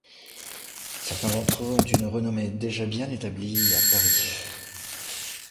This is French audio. Certains d'entre eux ont une renommée déjà bien établie à Paris.